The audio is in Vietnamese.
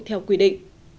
theo quy định